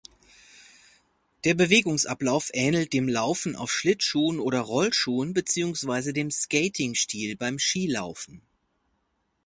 Der Bewegungsablauf ähnelt dem Laufen auf Schlittschuhen oder Rollschuhen beziehungsweise dem Skating-Stil beim Skilaufen.